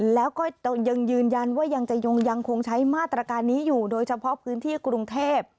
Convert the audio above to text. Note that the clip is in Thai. แล้วก็ยังยืนยันว่ายังจะยังคงใช้มาตรการนี้อยู่โดยเฉพาะพื้นที่กรุงเทพ